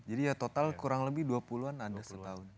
jadi ya total kurang lebih dua puluh an ada setahun